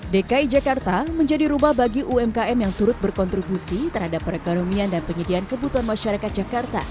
dki jakarta menjadi rumah bagi umkm yang turut berkontribusi terhadap perekonomian dan penyediaan kebutuhan masyarakat jakarta